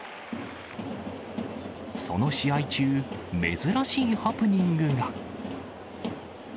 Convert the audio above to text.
その試合中、珍しいハプニングが。